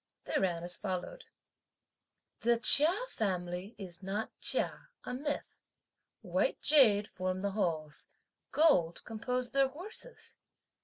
They ran as follows: The "Chia" family is not "chia," a myth; white jade form the Halls; gold compose their horses!